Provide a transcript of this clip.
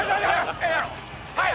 はい